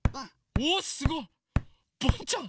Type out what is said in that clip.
おすごい！ボンちゃん！